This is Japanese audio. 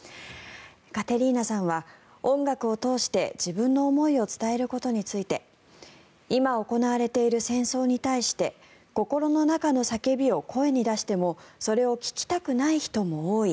カテリーナさんは音楽を通して自分の思いを伝えることについて今、行われている戦争に対して心の中の叫びを声に出してもそれを聞きたくない人も多い。